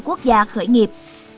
quốc gia khởi nghiệp